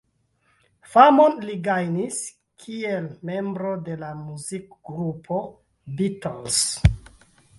Famon li gajnis kiel membro de la muzikgrupo Beatles.